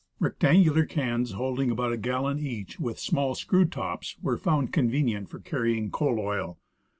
Rectangular cans holding about a gallon each, with small screw tops, were found convenient for carrying coal oil.